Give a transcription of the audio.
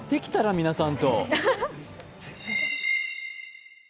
皆さんと。